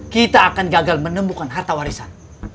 kita akan gagal menemukan harta warisan